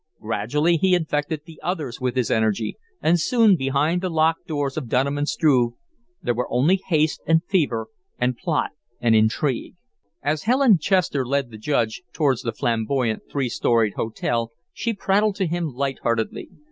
Gradually he infected the others with his energy, and soon behind the locked doors of Dunham & Struve there were only haste and fever and plot and intrigue. As Helen Chester led the Judge towards the flamboyant, three storied hotel she prattled to him light heartedly.